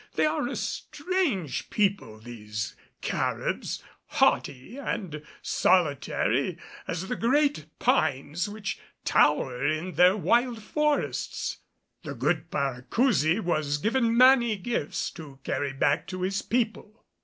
They are a strange people, these Caribs; haughty, and solitary as the great pines which tower in their wild forests. The good Paracousi was given many gifts to carry back to his people.